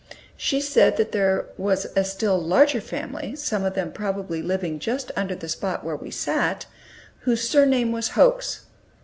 She said that there was a still larger family, some of them probably living just under the spot where we sat, whose surname was "Hokes."